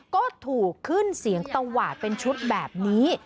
ก็ถูกขึ้นเสียงตวาดเป็นชุดแบบนี้